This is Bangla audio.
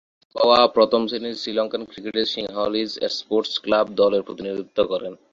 ঘরোয়া প্রথম-শ্রেণীর শ্রীলঙ্কান ক্রিকেটে সিংহলীজ স্পোর্টস ক্লাব দলের প্রতিনিধিত্ব করেন।